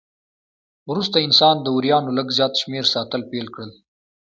وروسته انسان د وریانو لږ زیات شمېر ساتل پیل کړل.